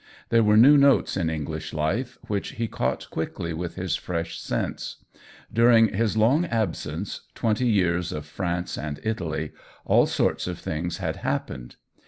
There were new notes in Eng lish life, which he caught quickly with his fresh sense; during his long absence — twenty years of France and Italy — all sorts of things had happened.